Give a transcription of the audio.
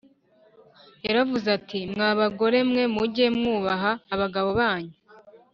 Yaravuze ati: «mwa bagore mwe, mujye mwubaha abagabo banyu!»